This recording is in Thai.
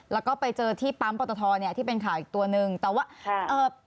แล้วก็ไปเจอที่ปั๊มปอตทเนี้ยที่เป็นข่าวอีกตัวหนึ่งแต่ว่าอ่า